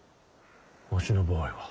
わしの場合は。